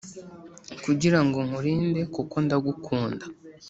kugirango nkurinde kuko ndagukunda